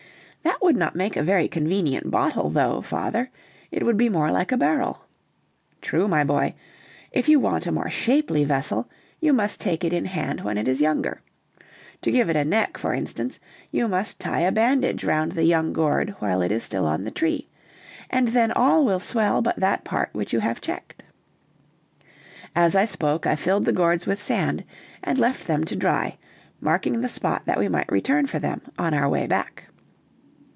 "That would not make a very convenient bottle though, father; it would be more like a barrel." "True, my boy; if you want a more shapely vessel, you must take it in hand when it is younger. To give it a neck, for instance, you must tie a bandage round the young gourd while it is still on the tree, and then all will swell but that part which you have checked." As I spoke, I filled the gourds with sand, and left them to dry; marking the spot that we might return for them on our way back.